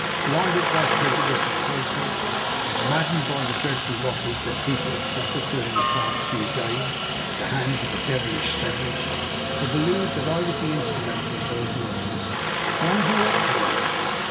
Blinded by prejudice and falsehood, and maddened by the dreadful losses their people had suffered during the past few days at the hands of a devilish savage, they believed that I was the instigator of those losses, one who ought to die.